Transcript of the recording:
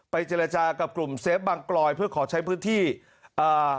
เจรจากับกลุ่มเซฟบางกลอยเพื่อขอใช้พื้นที่อ่า